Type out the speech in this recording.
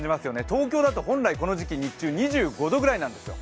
東京だと本来この時期、日中２５度ぐらいなんですよ。